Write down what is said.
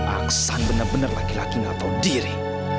aksan bener bener laki laki gak tahu diri